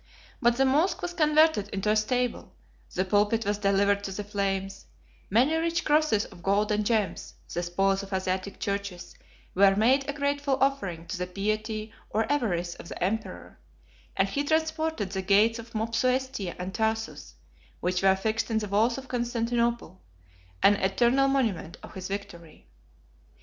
But the mosch was converted into a stable; the pulpit was delivered to the flames; many rich crosses of gold and gems, the spoils of Asiatic churches, were made a grateful offering to the piety or avarice of the emperor; and he transported the gates of Mopsuestia and Tarsus, which were fixed in the walls of Constantinople, an eternal monument of his victory.